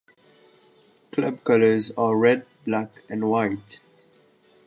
Club colours are red, black, and white.